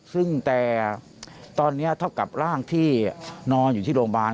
ซึ่งแต่ตอนนี้เท่ากับร่างที่นอนอยู่ที่โรงพยาบาล